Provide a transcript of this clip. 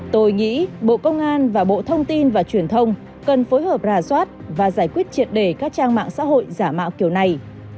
tôi nghĩ bộ công an và bộ thông tin và truyền thông cần phối hợp rà soát và giải quyết triệt đề các trang mạng xã hội giả mạo kiểu này